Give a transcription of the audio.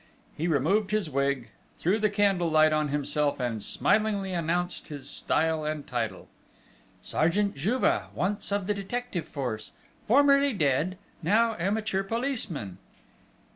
He removed his wig, threw the candle light on himself, and smilingly announced his style and title. "Sergeant Juve, once of the detective force; formerly dead: now amateur policeman!"